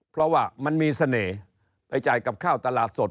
เพราะว่ามันมีเสน่ห์ไปจ่ายกับข้าวตลาดสด